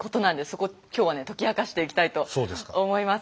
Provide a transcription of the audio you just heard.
そこを今日はね解き明かしていきたいと思います。